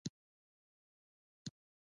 سوالګر ته یو ګیلاس اوبه هم نعمت دی